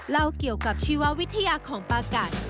เล่าเกี่ยวกับชีววิทยาของปากัด